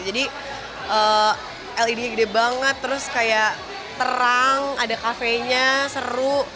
jadi led nya gede banget terus kayak terang ada cafe nya seru